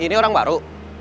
ini orang baru